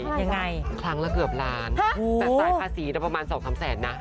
ยังไงครั้งละเกือบล้านใส่ภาษีจะประมาณ๒คำแสนนะ